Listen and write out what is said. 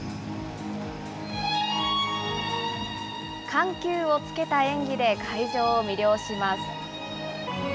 緩急をつけた演技で、会場を魅了します。